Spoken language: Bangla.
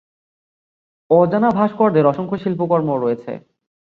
অজানা ভাস্করদের অসংখ্য শিল্পকর্মও রয়েছে।